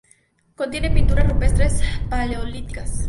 Contiene pinturas rupestres paleolíticas.